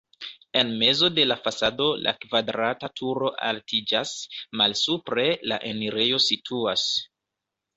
En mezo de la fasado la kvadrata turo altiĝas, malsupre la enirejo situas.